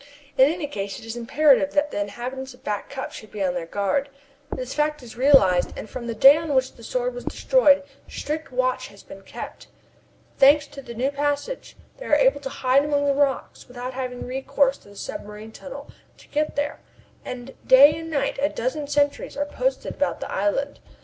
In any case, it is imperative that the inhabitants of Back Cup should be on their guard. This fact is realized, and, from the day on which the Sword was destroyed, strict watch has been kept. Thanks to the new passage, they are able to hide among the rocks without having recourse to the submarine tunnel to get there, and day and night a dozen sentries are posted about the island.